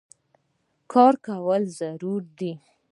کار کول ضروري دی.